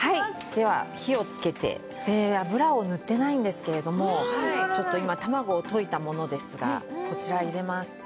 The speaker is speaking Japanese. では火をつけて油を塗ってないんですけれどもちょっと今卵を溶いたものですがこちら入れます。